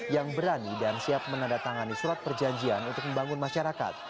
yang berani dan siap menandatangani surat perjanjian untuk membangun masyarakat